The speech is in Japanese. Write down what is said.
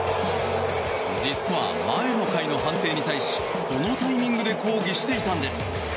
実は、前の回の判定に対しこのタイミングで抗議していたんです。